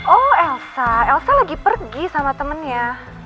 oh elsa elsa lagi pergi sama temennya